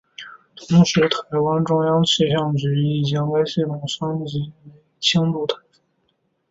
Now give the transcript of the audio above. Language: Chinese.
同时台湾中央气象局亦将该系统升格为轻度台风。